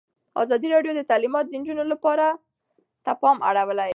ازادي راډیو د تعلیمات د نجونو لپاره ته پام اړولی.